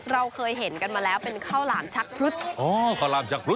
เราเคยเห็นกันมาแล้วเป็นข้าวหลามชักพรุษอ๋อข้าวหลามชักพรุ